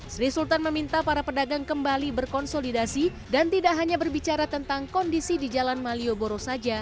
sri sultan meminta para pedagang kembali berkonsolidasi dan tidak hanya berbicara tentang kondisi di jalan malioboro saja